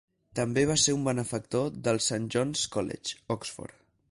També va ser un benefactor del Saint John's College, Oxford.